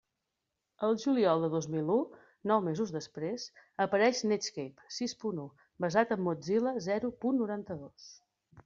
El juliol de dos mil u, nou mesos després, apareix Netscape sis punt u, basat en Mozilla zero punt noranta-dos.